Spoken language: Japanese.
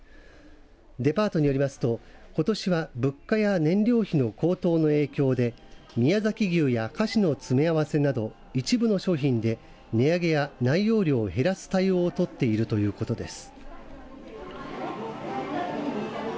デパートによりますと、ことしは物価や燃料費の高騰の影響で宮崎牛や菓子の詰め合わせなど一部の商品で値上げや内容量を減らす対応を取っているということです。